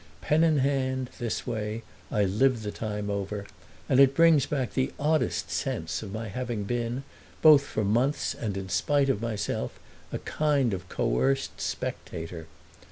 Pen in hand, this way, I live the time over, and it brings back the oddest sense of my having been, both for months and in spite of myself, a kind of coerced spectator.